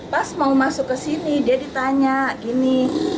pas mau masuk kesini dia ditanya gini